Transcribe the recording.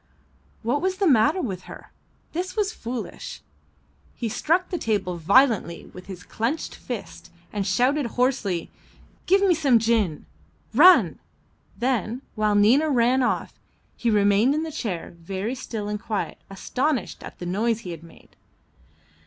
What was the matter with her? This was foolish. He struck the table violently with his clenched fist and shouted hoarsely, "Give me some gin! Run!" Then, while Nina ran off, he remained in the chair, very still and quiet, astonished at the noise he had made.